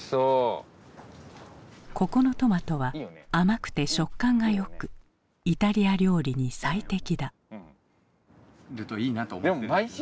ここのトマトは甘くて食感がよくイタリア料理に最適だ。